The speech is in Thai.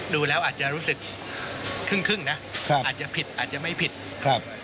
ดูแล้วอาจจะรู้สึกครึ่งครึ่งนะครับอาจจะผิดอาจจะไม่ผิดครับ